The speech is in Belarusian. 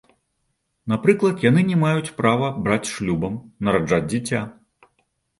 Напрыклад, яны не маюць права браць шлюбам, нараджаць дзіця.